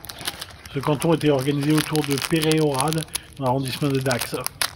Ce canton était organisé autour de Peyrehorade dans l'arrondissement de Dax.